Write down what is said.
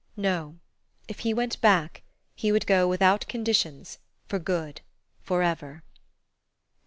No if he went back he would go without conditions, for good, forever....